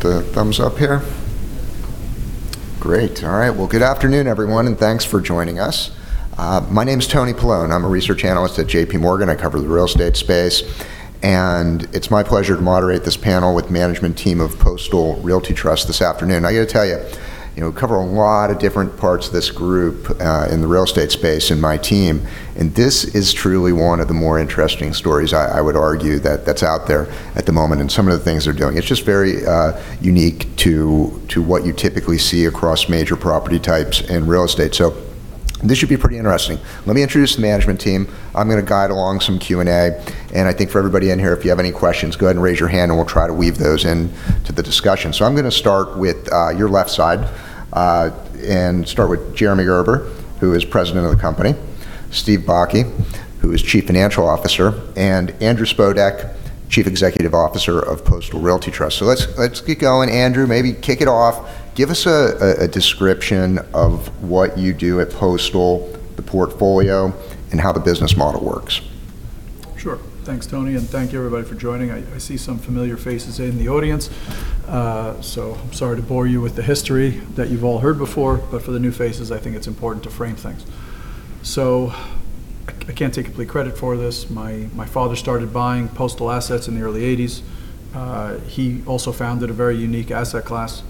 Get the thumbs up here. Great. All right. Well, good afternoon, everyone, and thanks for joining us. My name's Tony Paolone. I'm a research analyst at JPMorgan. I cover the real estate space, and it's my pleasure to moderate this panel with management team of Postal Realty Trust this afternoon. I got to tell you, we cover a lot of different parts of this group in the real estate space in my team, and this is truly one of the more interesting stories, I would argue, that's out there at the moment in some of the things they're doing. It's just very unique to what you typically see across major property types in real estate. This should be pretty interesting. Let me introduce the management team. I'm going to guide along some Q&A. I think for everybody in here, if you have any questions, go ahead and raise your hand, and we'll try to weave those into the discussion. I'm going to start with your left side, and start with Jeremy Garber, who is President of the company, Steve Bakke, who is Chief Financial Officer, and Andrew Spodek, Chief Executive Officer of Postal Realty Trust. Let's get going. Andrew, maybe kick it off. Give us a description of what you do at Postal, the portfolio, and how the business model works. Sure. Thanks, Tony, and thank you, everybody, for joining. I see some familiar faces in the audience. I'm sorry to bore you with the history that you've all heard before, but for the new faces, I think it's important to frame things. I can't take complete credit for this. My father started buying postal assets in the early 1980s. He also founded a very unique asset class,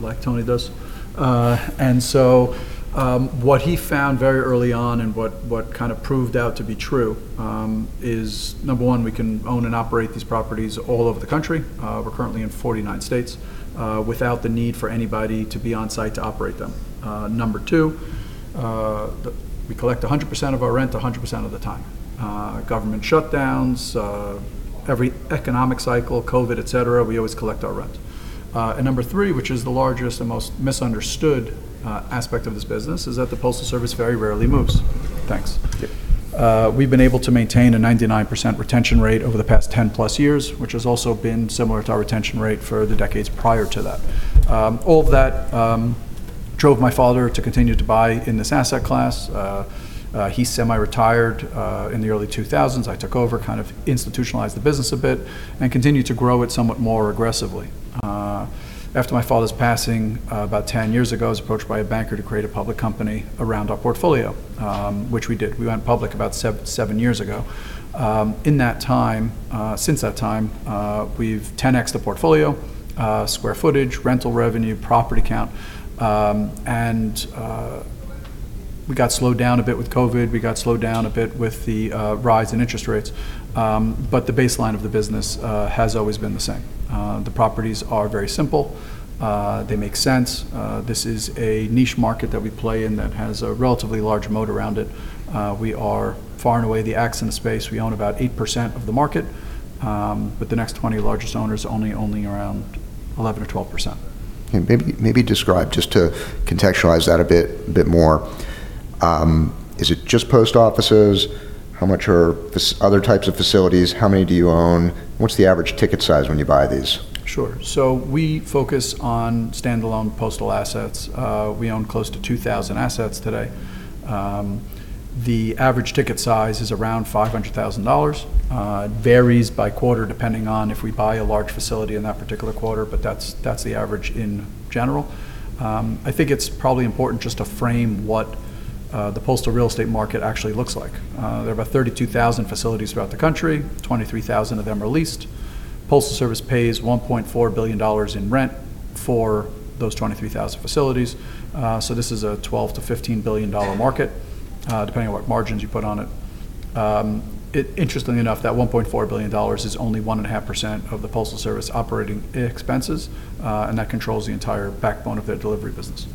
like Tony does. What he found very early on and what kind of proved out to be true is, number 1, we can own and operate these properties all over the country. We're currently in 49 states, without the need for anybody to be on-site to operate them. Number 2, we collect 100% of our rent 100% of the time. Government shutdowns, every economic cycle, COVID, et cetera, we always collect our rent. Number three, which is the largest and most misunderstood aspect of this business, is that the Postal Service very rarely moves. Thanks. Yeah. We've been able to maintain a 99% retention rate over the past 10-plus years, which has also been similar to our retention rate for the decades prior to that. All of that drove my father to continue to buy in this asset class. He semi-retired in the early 2000s. I took over, kind of institutionalized the business a bit, and continued to grow it somewhat more aggressively. After my father's passing about 10 years ago, I was approached by a banker to create a public company around our portfolio, which we did. We went public about seven years ago. Since that time, we've 10x'd the portfolio, square footage, rental revenue, property count. We got slowed down a bit with COVID. We got slowed down a bit with the rise in interest rates. The baseline of the business has always been the same. The properties are very simple. They make sense. This is a niche market that we play in that has a relatively large moat around it. We are far and away the ace in the space. We own about 8% of the market, with the next 20 largest owners owning only around 11% or 12%. Maybe describe, just to contextualize that a bit more, is it just post offices? How much are other types of facilities? How many do you own? What's the average ticket size when you buy these? Sure. We focus on standalone postal assets. We own close to 2,000 assets today. The average ticket size is around $500,000. It varies by quarter, depending on if we buy a large facility in that particular quarter, but that's the average in general. I think it's probably important just to frame what the postal real estate market actually looks like. There are about 32,000 facilities throughout the country, 23,000 of them are leased. Postal Service pays $1.4 billion in rent for those 23,000 facilities. This is a $12 billion-$15 billion market, depending on what margins you put on it. Interestingly enough, that $1.4 billion is only 1.5% of the Postal Service operating expenses, and that controls the entire backbone of their delivery business.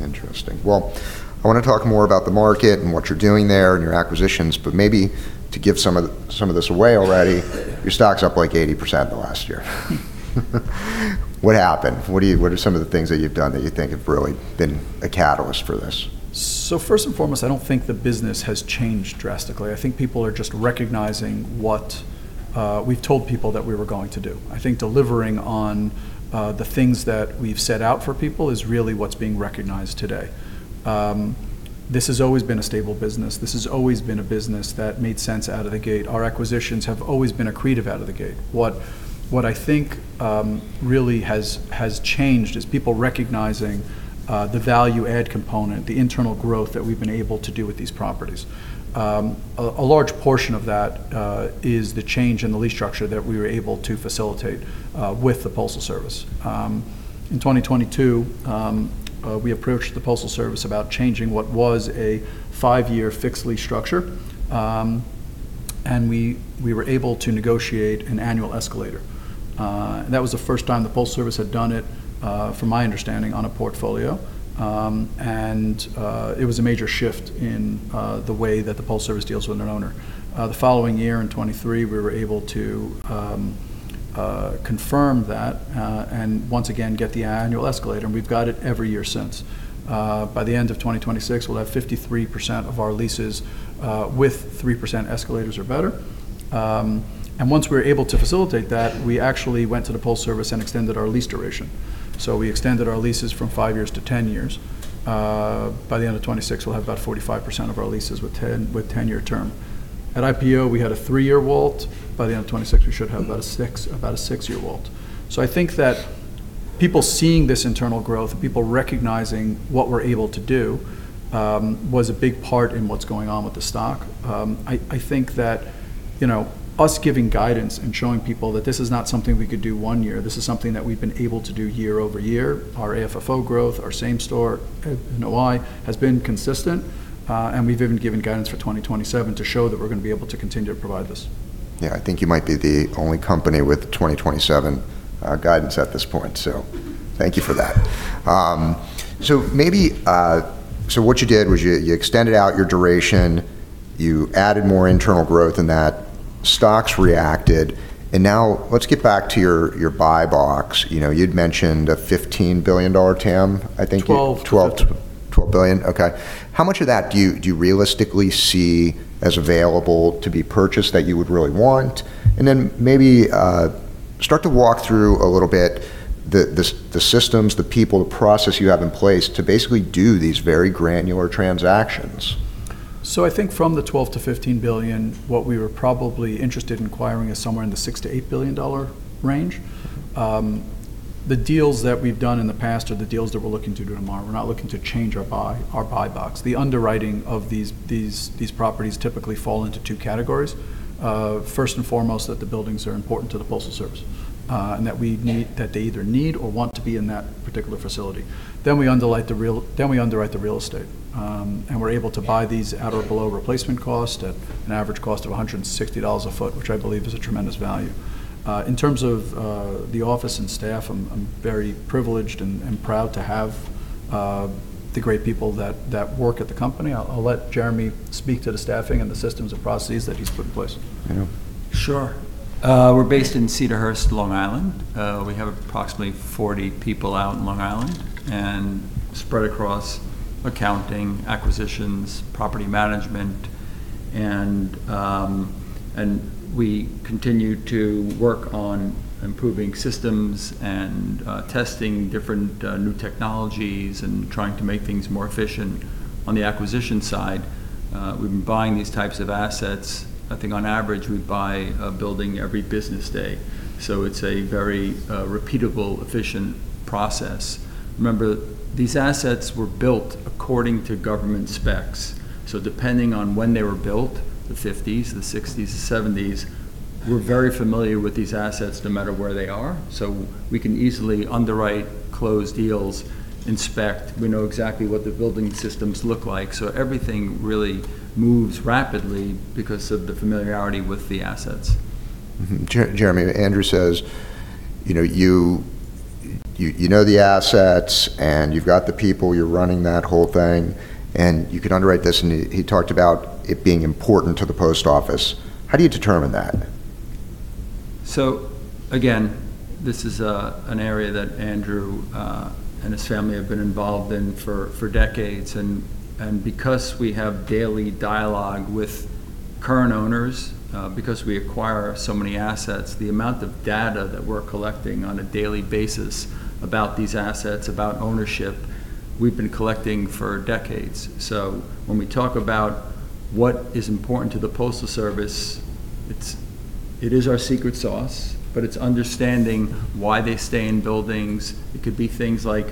Interesting. I want to talk more about the market and what you're doing there and your acquisitions, but maybe to give some of this away already, your stock's up like 80% in the last year. What happened? What are some of the things that you've done that you think have really been a catalyst for this? First and foremost, I don't think the business has changed drastically. I think people are just recognizing what we've told people that we were going to do. I think delivering on the things that we've set out for people is really what's being recognized today. This has always been a stable business. This has always been a business that made sense out of the gate. Our acquisitions have always been accretive out of the gate. What I think really has changed is people recognizing the value add component, the internal growth that we've been able to do with these properties. A large portion of that is the change in the lease structure that we were able to facilitate with the Postal Service. In 2022, we approached the Postal Service about changing what was a five-year fixed lease structure, and we were able to negotiate an annual escalator. That was the first time the Postal Service had done it, from my understanding, on a portfolio. It was a major shift in the way that the Postal Service deals with an owner. The following year in 2023, we were able to confirm that and once again get the annual escalator, and we've got it every year since. By the end of 2026, we'll have 53% of our leases with 3% escalators or better. Once we were able to facilitate that, we actually went to the Postal Service and extended our lease duration. So we extended our leases from five years to 10 years. By the end of 2026, we'll have about 45% of our leases with 10-year term. At IPO, we had a three-year WALT. By the end of 2026, we should have about a six-year WALT. I think that people seeing this internal growth, people recognizing what we're able to do, was a big part in what's going on with the stock. I think that us giving guidance and showing people that this is not something we could do one year, this is something that we've been able to do year-over-year. Our AFFO growth, our same store NOI has been consistent. We've even given guidance for 2027 to show that we're going to be able to continue to provide this. Yeah, I think you might be the only company with 2027 guidance at this point, so thank you for that. What you did was you extended out your duration, you added more internal growth in that. Now let's get back to your buy box. You'd mentioned a $15 billion TAM. 12. $12 billion. Okay. How much of that do you realistically see as available to be purchased that you would really want? Maybe start to walk through a little bit the systems, the people, the process you have in place to basically do these very granular transactions. I think from the $12 billion-$15 billion, what we were probably interested in acquiring is somewhere in the $6 billion-$8 billion range. The deals that we've done in the past are the deals that we're looking to do tomorrow. We're not looking to change our buy box. The underwriting of these properties typically fall into two categories. First and foremost, that the buildings are important to the Postal Service, and that they either need or want to be in that particular facility. We underwrite the real estate. We're able to buy these at or below replacement cost at an average cost of $160 a foot, which I believe is a tremendous value. In terms of the office and staff, I'm very privileged and proud to have the great people that work at the company. I'll let Jeremy speak to the staffing and the systems and processes that he's put in place. Thank you. Sure. We're based in Cedarhurst, Long Island. We have approximately 40 people out in Long Island and spread across accounting, acquisitions, property management, and we continue to work on improving systems and testing different new technologies and trying to make things more efficient. On the acquisition side, we've been buying these types of assets. I think on average, we buy a building every business day. It's a very repeatable, efficient process. Remember, these assets were built according to government specs. Depending on when were built, the 1950s, the 1960s, the 1970s, we're very familiar with these assets no matter where they are. We can easily underwrite closed deals, inspect. We know exactly what the building systems look like. Everything really moves rapidly because of the familiarity with the assets. Jeremy, Andrew says, you know the assets and you've got the people. You're running that whole thing, and you can underwrite this, and he talked about it being important to the Post Office. How do you determine that? Again, this is an area that Andrew and his family have been involved in for decades, and because we have daily dialogue with current owners, because we acquire so many assets, the amount of data that we're collecting on a daily basis about these assets, about ownership, we've been collecting for decades. When we talk about what is important to the Postal Service, it is our secret sauce, but it's understanding why they stay in buildings. It could be things like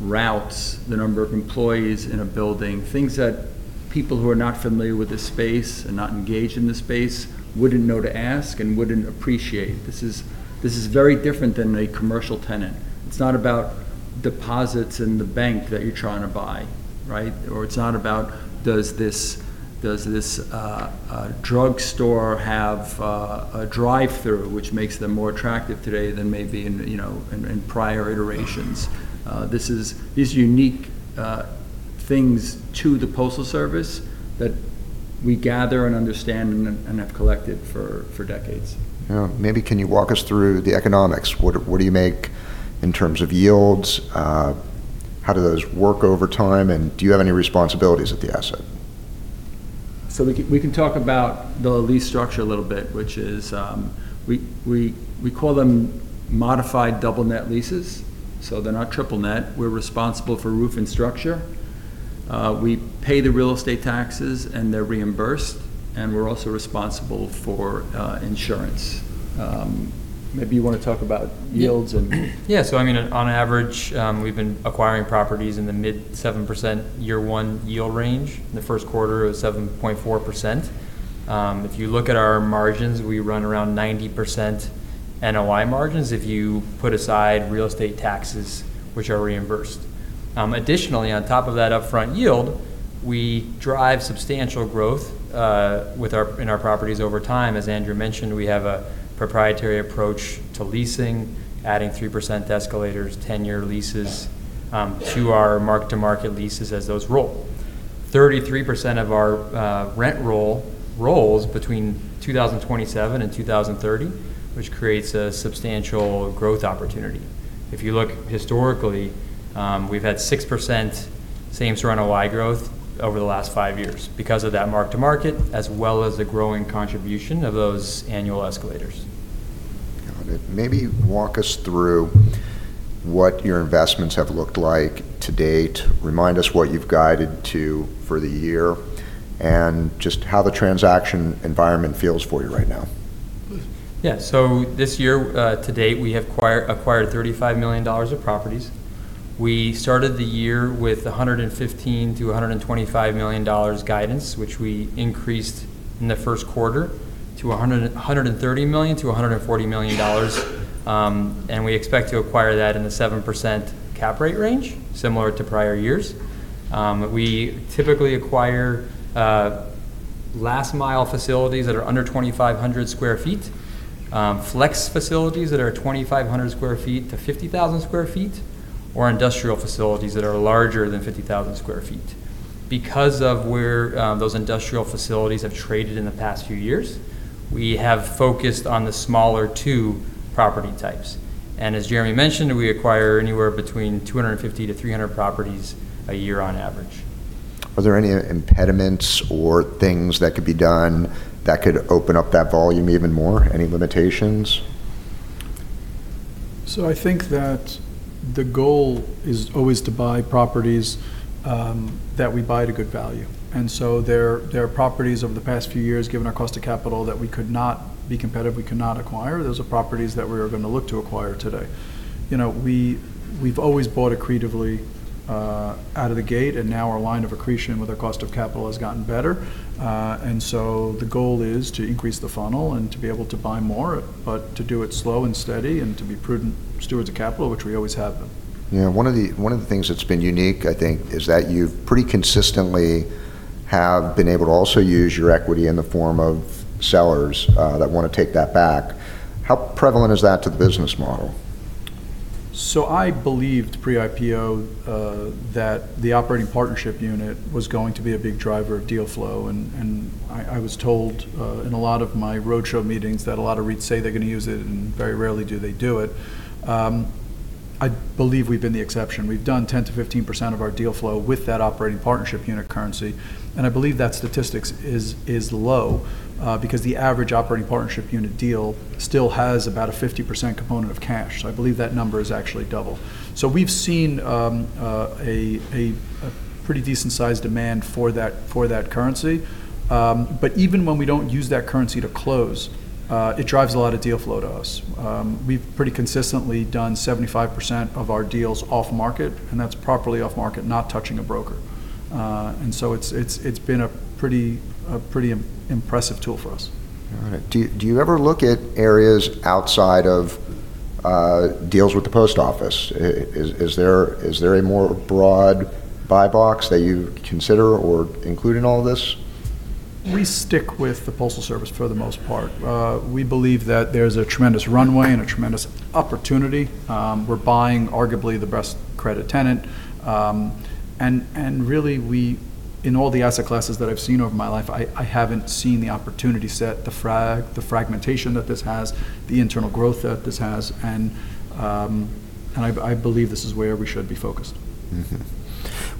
routes, the number of employees in a building, things that people who are not familiar with the space and not engaged in the space wouldn't know to ask and wouldn't appreciate. This is very different than a commercial tenant. It's not about deposits in the bank that you're trying to buy, right? It's not about, does this drugstore have a drive-through, which makes them more attractive today than maybe in prior iterations. These are unique things to the Postal Service that we gather and understand and have collected for decades. Yeah. Maybe can you walk us through the economics? What do you make in terms of yields? How do those work over time, and do you have any responsibilities at the asset? We can talk about the lease structure a little bit, which is, we call them modified double net lease, so they're not triple net. We're responsible for roof and structure. We pay the real estate taxes, and they're reimbursed, and we're also responsible for insurance. On average, we've been acquiring properties in the mid 7% year one yield range. In the first quarter, it was 7.4%. If you look at our margins, we run around 90% NOI margins if you put aside real estate taxes, which are reimbursed. Additionally, on top of that upfront yield, we drive substantial growth in our properties over time. As Andrew mentioned, we have a proprietary approach to leasing, adding 3% escalators, 10-year leases to our mark-to-market leases as those roll. 33% of our rent rolls between 2027 and 2030, which creates a substantial growth opportunity. If you look historically, we've had 6% same store NOI growth over the last five years because of that mark-to-market, as well as the growing contribution of those annual escalators. Maybe walk us through what your investments have looked like to date. Remind us what you've guided to for the year, and just how the transaction environment feels for you right now. This year, to date, we have acquired $35 million of properties. We started the year with $115 million-$125 million guidance, which we increased in the first quarter to $130 million-$140 million. We expect to acquire that in the 7% cap rate range, similar to prior years. We typically acquire last mile facilities that are under 2,500 sq ft, flex facilities that are 2,500 sq ft-50,000 sq ft, or industrial facilities that are larger than 50,000 sq ft. Because of where those industrial facilities have traded in the past few years, we have focused on the smaller two property types. As Jeremy mentioned, we acquire anywhere between 250-300 properties a year on average. Are there any impediments or things that could be done that could open up that volume even more? Any limitations? I think that the goal is always to buy properties that we buy at a good value. There are properties over the past few years, given our cost of capital, that we could not be competitive, we could not acquire. Those are properties that we are going to look to acquire today. We've always bought accretively out of the gate, and now our line of accretion with our cost of capital has gotten better. The goal is to increase the funnel and to be able to buy more, but to do it slow and steady and to be prudent stewards of capital, which we always have been. Yeah. One of the things that's been unique, I think, is that you've pretty consistently have been able to also use your equity in the form of sellers that want to take that back. How prevalent is that to the business model? I believed pre-IPO that the operating partnership unit was going to be a big driver of deal flow. I was told in a lot of my roadshow meetings that a lot of REITs say they're going to use it, and very rarely do they do it. I believe we've been the exception. We've done 10%-15% of our deal flow with that operating partnership unit currency. I believe that statistic is low because the average operating partnership unit deal still has about a 50% component of cash. I believe that number is actually double. We've seen a pretty decent size demand for that currency. Even when we don't use that currency to close, it drives a lot of deal flow to us. We've pretty consistently done 75% of our deals off-market, and that's properly off-market, not touching a broker. It's been a pretty impressive tool for us. All right. Do you ever look at areas outside of deals with the Post Office? Is there a more broad buy box that you consider or include in all of this? We stick with the Postal Service for the most part. We believe that there's a tremendous runway and a tremendous opportunity. We're buying arguably the best credit tenant. Really, in all the asset classes that I've seen over my life, I haven't seen the opportunity set, the fragmentation that this has, the internal growth that this has, and I believe this is where we should be focused.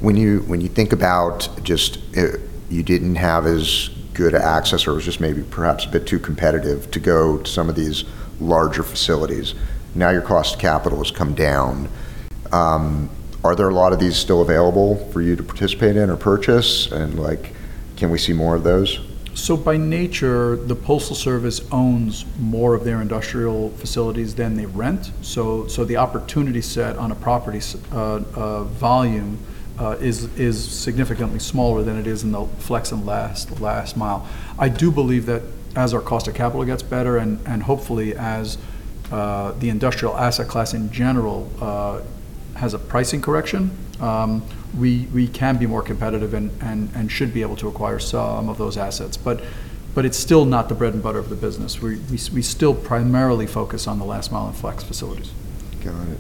When you think about just you didn't have as good access or it was just maybe perhaps a bit too competitive to go to some of these larger facilities. Now your cost of capital has come down. Are there a lot of these still available for you to participate in or purchase? Can we see more of those? By nature, the Postal Service owns more of their industrial facilities than they rent. The opportunity set on a property volume is significantly smaller than it is in the flex and last mile. I do believe that as our cost of capital gets better, and hopefully as the industrial asset class in general has a pricing correction, we can be more competitive and should be able to acquire some of those assets. It's still not the bread and butter of the business. We still primarily focus on the last mile and flex facilities. Got it.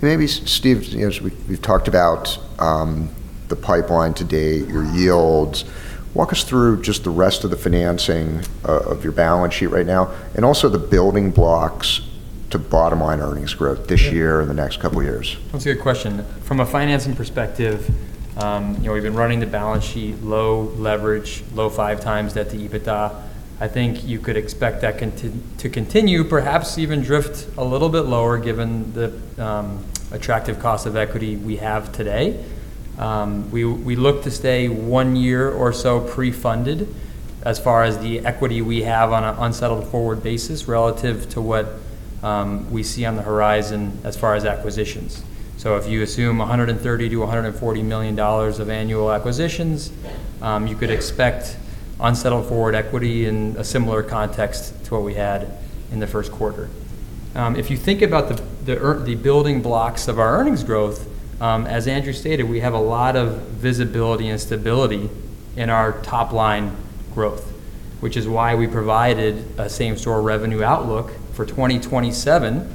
Maybe Steve, as we've talked about the pipeline to date, your yields, walk us through just the rest of the financing of your balance sheet right now, and also the building blocks to bottom-line earnings growth this year and the next couple of years? That's a good question. From a financing perspective, we've been running the balance sheet low leverage, low 5x debt to EBITDA. I think you could expect that to continue, perhaps even drift a little bit lower given the attractive cost of equity we have today. We look to stay one year or so pre-funded as far as the equity we have on an unsettled forward basis relative to what we see on the horizon as far as acquisitions. If you assume $130 million-$140 million of annual acquisitions, you could expect unsettled forward equity in a similar context to what we had in the first quarter. If you think about the building blocks of our earnings growth, as Andrew stated, we have a lot of visibility and stability in our top-line growth, which is why we provided a same-store revenue outlook for 2027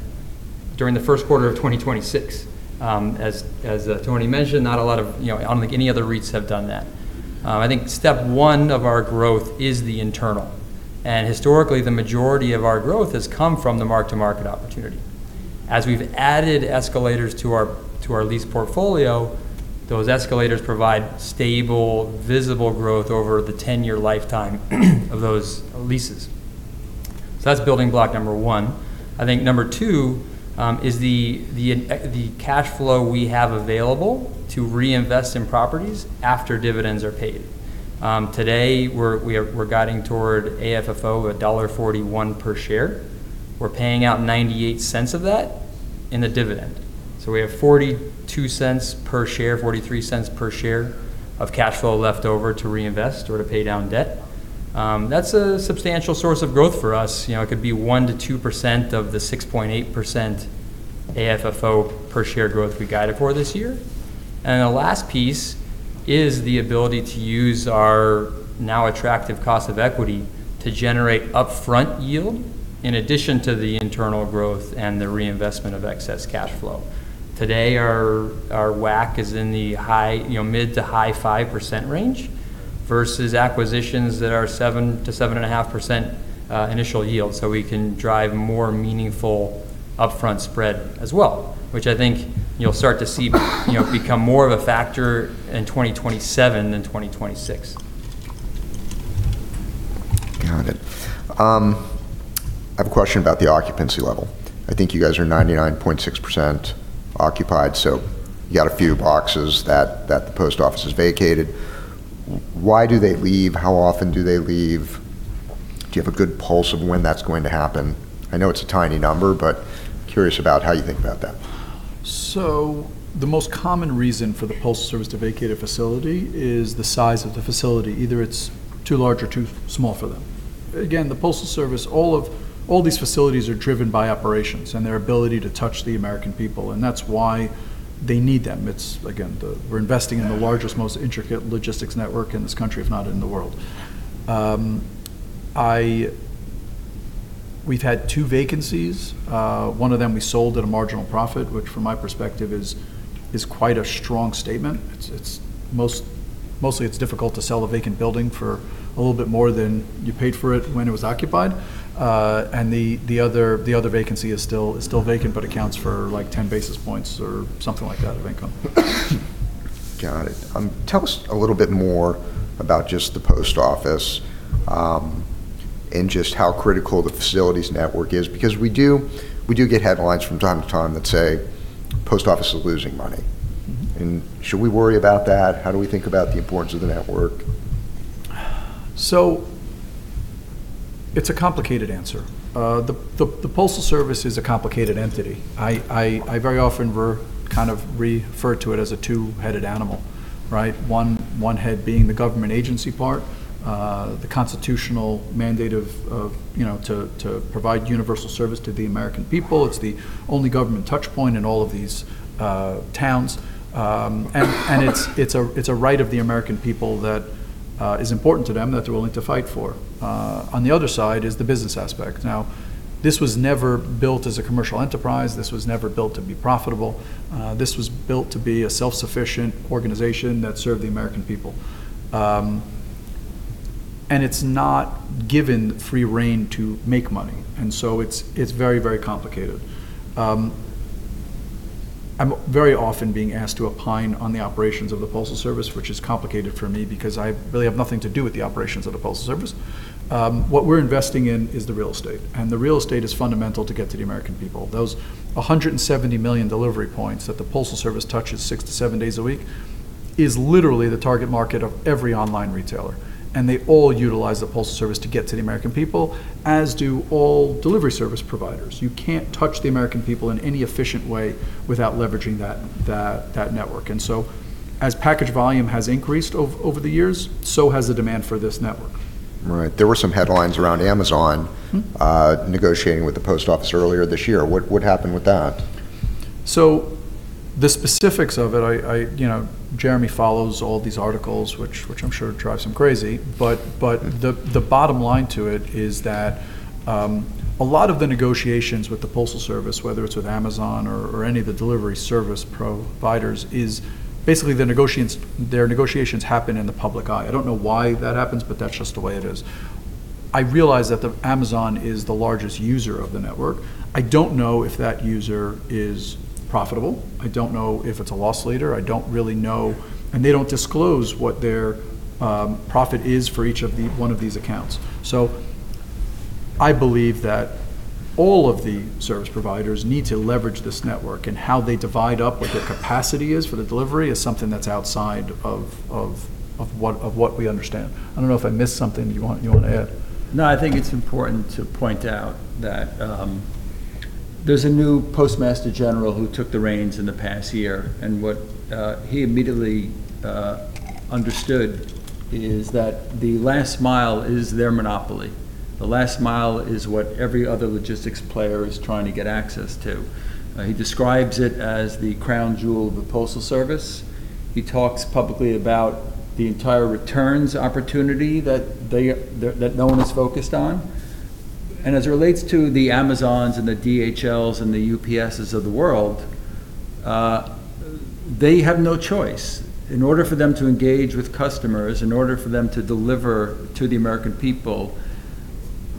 during the first quarter of 2026. Tony mentioned, I don't think any other REITs have done that. I think step one of our growth is the internal. Historically, the majority of our growth has come from the mark-to-market opportunity. As we've added escalators to our lease portfolio, those escalators provide stable, visible growth over the 10-year lifetime of those leases. That's building block number one. I think number two is the cash flow we have available to reinvest in properties after dividends are paid. Today, we're guiding toward AFFO of $1.41 per share. We're paying out $0.98 of that in the dividend. We have $0.42 per share, $0.43 per share of cash flow left over to reinvest or to pay down debt. That's a substantial source of growth for us. It could be 1%-2% of the 6.8% AFFO per share growth we guided for this year. The last piece is the ability to use our now attractive cost of equity to generate upfront yield, in addition to the internal growth and the reinvestment of excess cash flow. Today, our WACC is in the mid to high 5% range versus acquisitions that are 7%-7.5% initial yield. We can drive more meaningful upfront spread as well, which I think you'll start to see become more of a factor in 2027 than 2026. Got it. I have a question about the occupancy level. I think you guys are 99.6% occupied. You got a few boxes that the post office has vacated. Why do they leave? How often do they leave? Do you have a good pulse of when that's going to happen? I know it's a tiny number. Curious about how you think about that. The most common reason for the Postal Service to vacate a facility is the size of the facility. Either it's too large or too small for them. Again, the Postal Service, all these facilities are driven by operations and their ability to touch the American people, and that's why they need them. Again, we're investing in the largest, most intricate logistics network in this country, if not in the world. We've had two vacancies. One of them we sold at a marginal profit, which from my perspective is quite a strong statement. Mostly it's difficult to sell a vacant building for a little bit more than you paid for it when it was occupied. The other vacancy is still vacant, but accounts for 10 basis points or something like that of income. Got it. Tell us a little bit more about just the Post office, and just how critical the facilities network is because we do get headlines from time to time that say, "Post office is losing money. Should we worry about that? How do we think about the importance of the network? It's a complicated answer. The Postal Service is a complicated entity. I very often refer to it as a two-headed animal, right? One head being the government agency part, the constitutional mandate to provide universal service to the American people. It's the only government touchpoint in all of these towns. It's a right of the American people that is important to them that they're willing to fight for. On the other side is the business aspect. Now, this was never built as a commercial enterprise. This was never built to be profitable. This was built to be a self-sufficient organization that served the American people. It's not given free rein to make money, and so it's very complicated. I'm very often being asked to opine on the operations of the Postal Service, which is complicated for me because I really have nothing to do with the operations of the Postal Service. What we're investing in is the real estate, and the real estate is fundamental to get to the American people. Those 170 million delivery points that the Postal Service touches six to seven days a week is literally the target market of every online retailer, and they all utilize the Postal Service to get to the American people, as do all delivery service providers. You can't touch the American people in any efficient way without leveraging that network. As package volume has increased over the years, so has the demand for this network. Right. There were some headlines around Amazon negotiating with the Post Office earlier this year. What happened with that? The specifics of it, Jeremy Garber follows all these articles, which I'm sure drives him crazy, but the bottom line to it is that a lot of the negotiations with the Postal Service, whether it's with Amazon or any of the delivery service providers, is basically their negotiations happen in the public eye. I don't know why that happens, that's just the way it is. I realize that Amazon is the largest user of the network. I don't know if that user is profitable. I don't know if it's a loss leader. I don't really know, and they don't disclose what their profit is for each one of these accounts. I believe that all of the service providers need to leverage this network, and how they divide up what their capacity is for the delivery is something that's outside of what we understand. I don't know if I missed something you want to add. No, I think it's important to point out that there's a new Postmaster General who took the reins in the past year, and what he immediately understood is that the last mile is their monopoly. The last mile is what every other logistics player is trying to get access to. He describes it as the crown jewel of the Postal Service. He talks publicly about the entire returns opportunity that no one is focused on. As it relates to the Amazons and the DHLs and the UPSs of the world. They have no choice. In order for them to engage with customers, in order for them to deliver to the American people,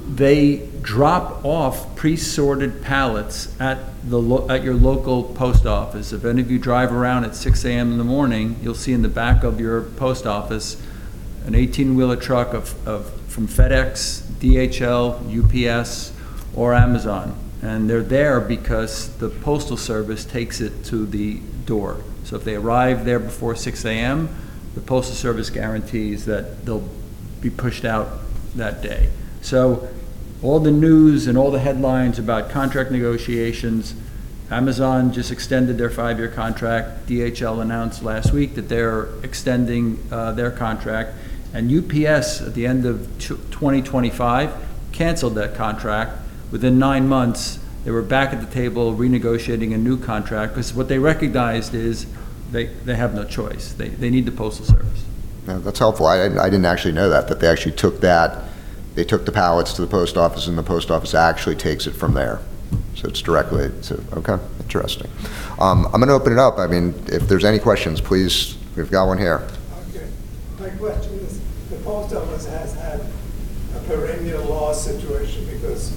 they drop off pre-sorted pallets at your local post office. If any of you drive around at 6:00 a.m. in the morning, you'll see in the back of your post office an 18-wheeler truck from FedEx, DHL, UPS, or Amazon. They're there because the Postal Service takes it to the door. If they arrive there before 6:00 a.m., the Postal Service guarantees that they'll be pushed out that day. All the news and all the headlines about contract negotiations, Amazon just extended their 5-year contract. DHL announced last week that they're extending their contract. UPS, at the end of 2025, canceled that contract. Within nine months, they were back at the table renegotiating a new contract because what they recognized is they have no choice. They need the Postal Service. That's helpful. I didn't actually know that they took the pallets to the Post Office, and the Post Office actually takes it from there. Okay. Interesting. I'm going to open it up. If there's any questions, please. We've got one here. Okay. My question is, the Post Office has had a perennial loss situation because,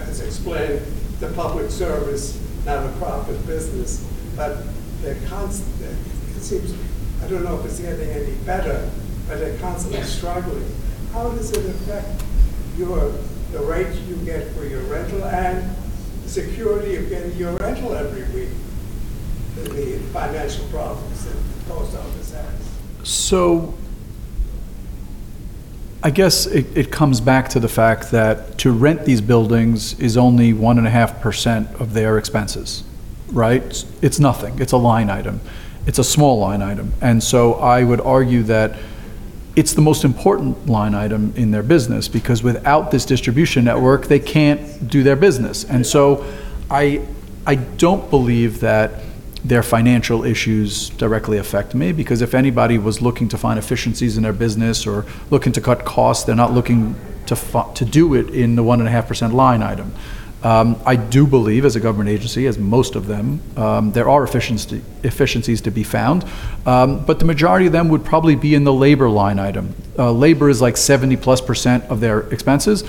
as explained, the public service, not a profit business, but it seems, I don't know if it's getting any better, but they're constantly struggling. How does it affect the rate you get for your rental and the security of getting your rental every week? The financial problems that the Post Office has. I guess it comes back to the fact that to rent these buildings is only 1.5% of their expenses, right? It's nothing. It's a line item. It's a small line item. I would argue that it's the most important line item in their business because without this distribution network, they can't do their business. I don't believe that their financial issues directly affect me because if anybody was looking to find efficiencies in their business or looking to cut costs, they're not looking to do it in the 1.5% line item. I do believe as a government agency, as most of them, there are efficiencies to be found, but the majority of them would probably be in the labor line item. Labor is like 70-plus % of their expenses,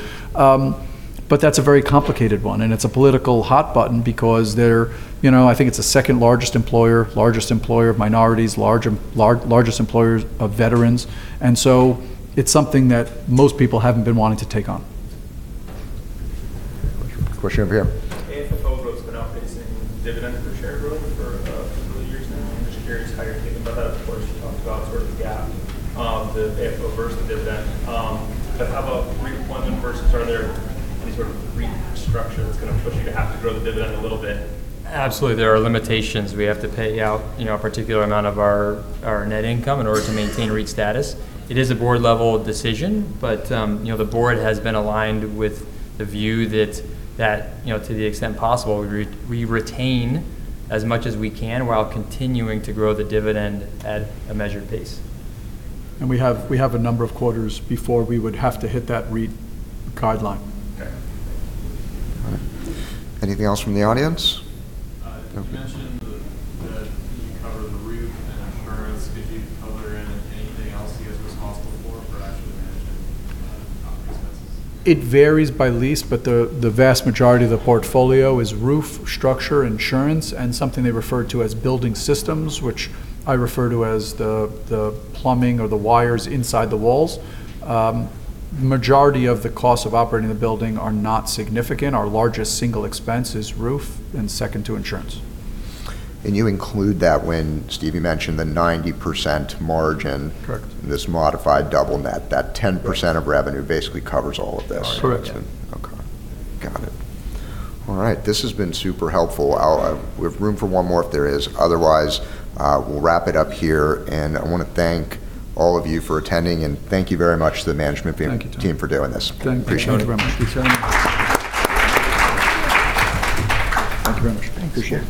but that's a very complicated one, and it's a political hot button because they're, I think it's the second-largest employer, largest employer of minorities, largest employer of veterans, and so it's something that most people haven't been wanting to take on. Question over here. AFFO growth's been outpacing dividends per share growth for a couple of years now. I'm just curious how you're thinking about that. Of course, you talked about sort of the gap, the AFFO versus dividend, how about REIT requirement versus are there any sort of REIT structure that's going to push you to have to grow the dividend a little bit? Absolutely, there are limitations. We have to pay out a particular amount of our net income in order to maintain REIT status. It is a board-level decision, but the board has been aligned with the view that, to the extent possible, we retain as much as we can while continuing to grow the dividend at a measured pace. We have a number of quarters before we would have to hit that REIT guideline. Okay. Thank you. All right. Anything else from the audience? Okay. You mentioned that you cover the roof and insurance. Could you color in anything else you guys are responsible for actually managing the property's assets? It varies by lease, but the vast majority of the portfolio is roof structure insurance and something they refer to as building systems, which I refer to as the plumbing or the wires inside the walls. Majority of the costs of operating the building are not significant. Our largest single expense is roof, and second to insurance. You include that when Stevie mentioned the 90% margin. Correct This modified double net, that 10% of revenue basically covers all of this. Correct. Got it. This has been super helpful. We have room for one more if there is. We'll wrap it up here and I want to thank all of you for attending and thank you very much to the management. Thank you, Tony. Thank you, team for doing this. Thank you. Appreciate it. Thank you very much. Thank you so much. Thank you very much. Appreciate it.